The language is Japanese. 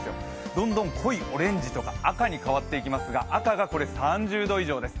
どんどん濃いオレンジとか赤に変わっていきますが、赤が３０度以上です。